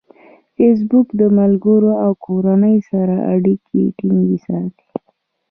فېسبوک د ملګرو او کورنۍ سره اړیکې ټینګې ساتي.